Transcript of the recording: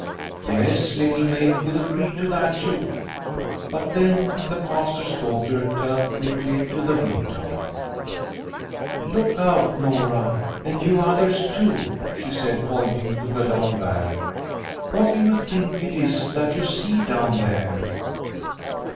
Yes, Little Maid could agree to that too. But then the Pastor's daughter turned quickly to the window. 36 Liliecrona's Home " Look out, Nora, and you others, too," she said, pointing to the long valley. " What do you think it is that you see down there